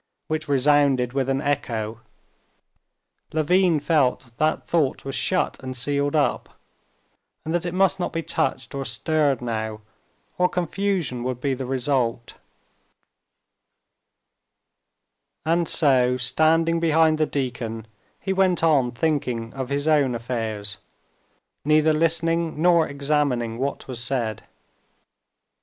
which resounded with an echo, Levin felt that thought was shut and sealed up, and that it must not be touched or stirred now or confusion would be the result; and so standing behind the deacon he went on thinking of his own affairs, neither listening nor examining what was said.